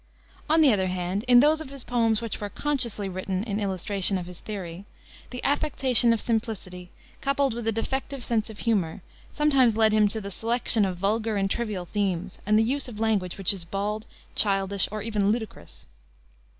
On the other hand, in those of his poems which were consciously written in illustration of his theory, the affectation of simplicity, coupled with a defective sense of humor, sometimes led him to the selection of vulgar and trivial themes, and the use of language which is bald, childish, or even ludicrous.